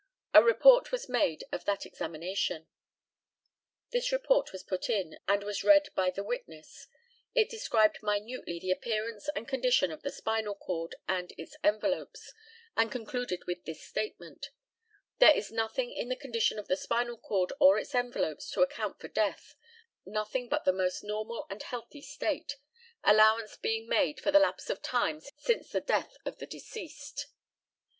A report was made of that examination. This report was put in, and was read by the witness. It described minutely the appearance and condition of the spinal cord and its envelopes, and concluded with this statement: "There is nothing in the condition of the spinal cord or its envelopes to account for death; nothing but the most normal and healthy state, allowance being made for the lapse of time since the death of the deceased."